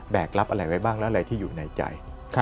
กรับอะไรไว้บ้างแล้วอะไรที่อยู่ในใจ